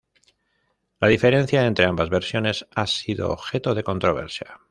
La diferencia entre ambas versiones ha sido objeto de controversia.